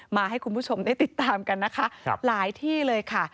มาให้คุณผู้ชมได้ติดตามกันนะคะหลายที่เลยค่ะ